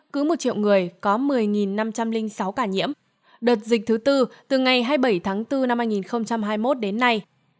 cứ một triệu người có một mươi năm trăm linh sáu ca nhiễm đợt dịch thứ tư từ ngày hai mươi bảy tháng bốn năm hai nghìn hai mươi một đến nay